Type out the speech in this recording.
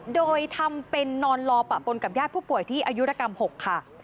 โดยทำเป็นนอนรอปะปนกับญาติผู้ป่วยที่อายุรกรรม๖ค่ะ